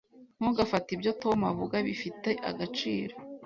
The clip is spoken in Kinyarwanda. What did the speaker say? Ntugafate ibyo Tom avuga bifite agaciro.